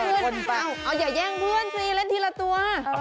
เอาอย่าแย่งเพื่อนสิเล่นทีละตัว